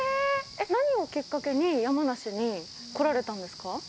何をきっかけに山梨に来られたんですか。